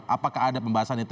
apakah ada pembahasan itu